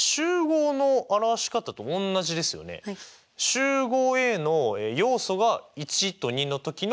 集合Ａの要素が１と２の時の表し方。